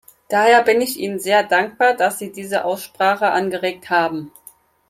Daher bin ich Ihnen sehr dankbar, dass Sie diese Aussprache angeregt haben.